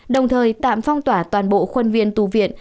đồng thời tạm phong tỏa toàn bộ khuôn viên tu viện